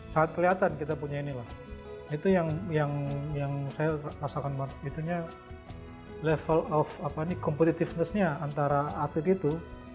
saat kelihatan kita punya inilah itu yang saya rasakan level of competitiveness nya antara atlet itu